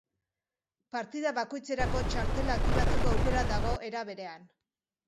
Partida bakoitzerako txartela aktibatzeko aukera dago, era berean.